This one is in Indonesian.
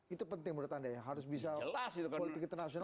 itu penting menurut anda ya harus bisa politik internasional